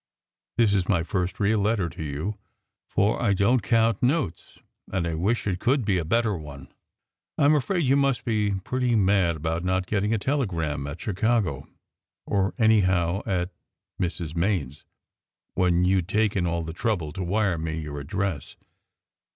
"This is my first real letter to you, for I don t count notes; and I wish it could be a better one. I m afraid you must be pretty mad about not getting a telegram at Chicago, or anyhow at Mrs. Main s, when you d taken all the trouble to wire me your address.